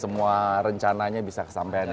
semua rencananya bisa kesamatan